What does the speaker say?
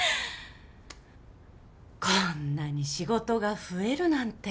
こんなに仕事が増えるなんて。